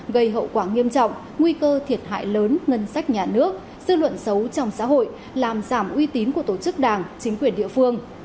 gây hậu quả nghiêm trọng nguy cơ thiệt hại lớn ngân sách nhà nước dư luận xấu trong xã hội làm giảm uy tín của tổ chức đảng chính quyền địa phương